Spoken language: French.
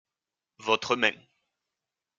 Votre main.